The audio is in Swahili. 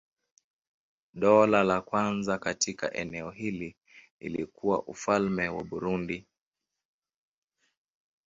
Dola la kwanza katika eneo hili lilikuwa Ufalme wa Burundi.